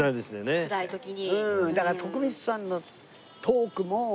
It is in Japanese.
つらい時に。